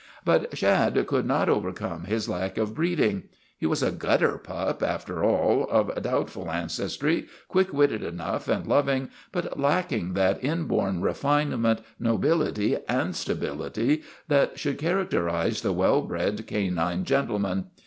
But Shad could not overcome his lack of breed ing. He was a gutter pup, after all, of doubtful ancestry, quick witted enough and loving, but lack ing that inborn refinement, nobility, and stability that should characterize the well bred canine gentle man.